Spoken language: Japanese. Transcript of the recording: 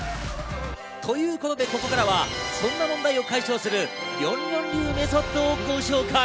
ということで、ここからはそんな問題を解消するりょんりょん流メソッドをご紹介。